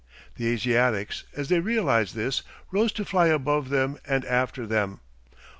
The Asiatics, as they realised this, rose to fly above them and after them.